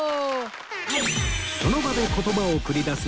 その場で言葉を繰り出す